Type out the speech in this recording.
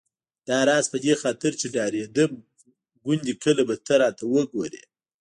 داراز په دې خاطر چې ډارېدم ګوندې کله به ته راته وګورې.